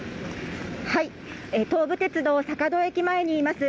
東武鉄道坂戸駅前にいます。